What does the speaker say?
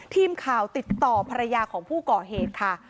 ทีมข่าวติดต่อภรรยาของผู้ก่อเหตุค่ะ